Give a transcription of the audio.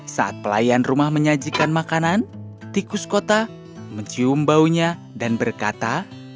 saat pelayan rumah menyajikan makanan tikus kota mencium baunya dan berkata